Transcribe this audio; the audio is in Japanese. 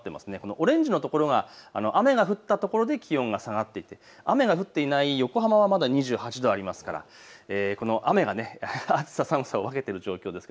オレンジの所は雨が降った所で気温が下がっていて雨が降っていない横浜はまだ２８度ありますから、この雨が暑さ、寒さを分けている状況です。